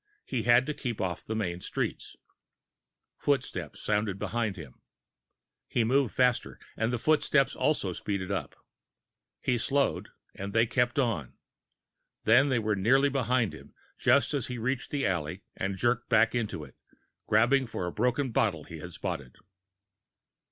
He had to keep off the main streets. Footsteps sounded behind him. He moved faster, and the footsteps also speeded up. He slowed, and they kept on. Then they were nearly behind him, just as he reached the alley and jerked back into it, grabbing for a broken bottle he had spotted.